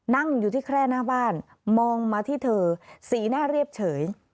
นั่งอยู่ที่แคร่หน้าบ้านมองมาที่เธอสีหน้าเรียบเฉย